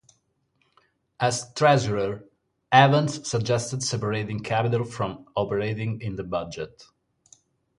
As Treasurer, Evans suggested separating capital from operating in the budget.